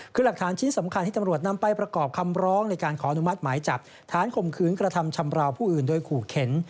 คือหลักฐานชิ้นสำคัญที่ตำรวจนำไปประกอบคำร้องในการขออนุมัติหมายจับฐานข่มขืนกระทำชำราวผู้อื่นโดยขู่เข็น